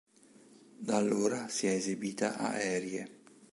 Da allora si è esibita ad Erie.